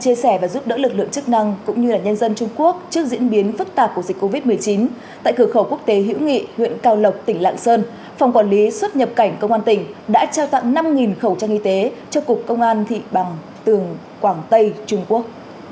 chia sẻ và giúp đỡ lực lượng chức năng cũng như nhân dân trung quốc trước diễn biến phức tạp của dịch covid một mươi chín tại cửa khẩu quốc tế hữu nghị huyện cao lộc tỉnh lạng sơn phòng quản lý xuất nhập cảnh công an tỉnh đã trao tặng năm khẩu trang y tế cho cục công an thị bằng tường quảng tây trung quốc